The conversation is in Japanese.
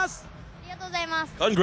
ありがとうございます。